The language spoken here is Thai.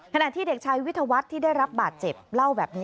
ขณะที่เด็กชายวิทยาวัฒน์ที่ได้รับบาดเจ็บเล่าแบบนี้